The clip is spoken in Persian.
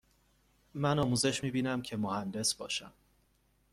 من آموزش می بینم که مهندس باشم.